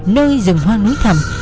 nơi rừng hoa núi thầm